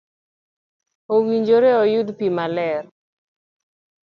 owinjore ayud pi maler.